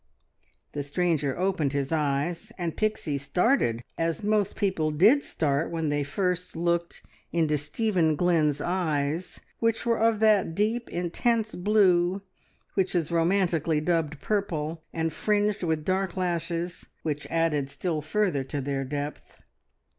The stranger opened his eyes, and Pixie started as most people did start when they first looked into Stephen Glynn's eyes, which were of that deep, intense blue which is romantically dubbed purple and fringed with dark lashes, which added still further to their depth.